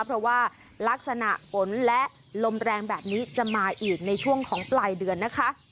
เพราะว่าลักษณะฝนและลมแรงแบบนี้จะมาอีกในช่วงของปลายเดือนนะคะ